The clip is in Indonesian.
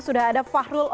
sudah ada fahrul olamar